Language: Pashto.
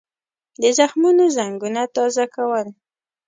د زخمونو زنګونه تازه کول.